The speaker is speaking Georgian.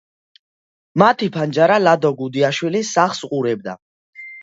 მათი ფანჯარა ლადო გუდიაშვილის სახლს უყურებდა.